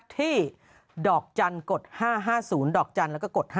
ที่ดอกจันลองกด๕๕๐ดอกจันแล้วก็กด๕